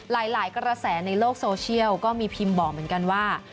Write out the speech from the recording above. หลายกระแสในโลกโซเชียลก็มีพิมพ์บอกเหมือนกันว่า